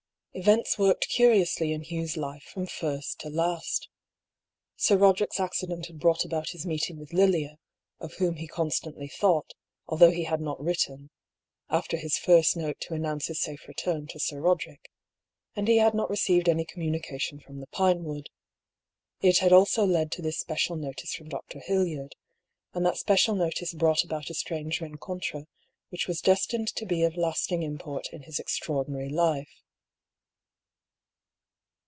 Events worked curiously in Hugh's life from first to last. Sir Eoderick's accident had brought about his meeting with Lilia, of whom he constantly thought, although he had not written — after his first note to an nounce his safe return to Sir Eoderick — and he had not received any communication from the Pinewood. It had also led to this special notice from Dr. Hildyard ; and that special notice brought about a strange rencon trey which was destined to be of lasting import in his extraordinary life.